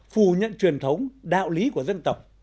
phù nhận truyền thống đạo lý của dân tộc